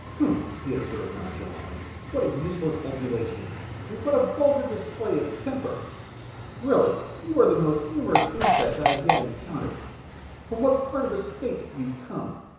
"Humph!" he observed, nonchalantly. "What a useless ebullition, and what a vulgar display of temper! Really you are the most humorous insect I have yet encountered. From what part of the States do you come?